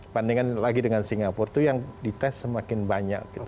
bandingkan lagi dengan singapura itu yang dites semakin banyak gitu